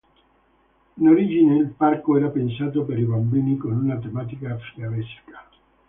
In origine il parco era pensato per i bambini con una tematica fiabesca.